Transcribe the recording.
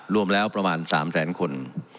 รวมแล้วประมาณ๓แสนคน